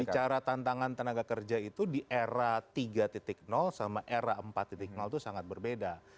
bicara tantangan tenaga kerja itu di era tiga sama era empat itu sangat berbeda